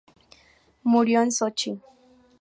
Murió en Sochi.